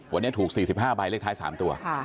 วันนี้ถูก๔๕ใบเลขท้าย๓ตัว